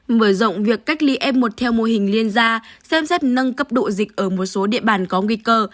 mở rộng việc cách ly f một theo mô hình liên gia xem xét nâng cấp độ dịch ở một số địa bàn có nguy cơ